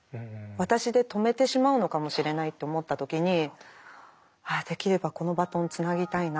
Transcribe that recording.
私で止めてしまうのかもしれないと思った時にできればこのバトンをつなぎたいなって。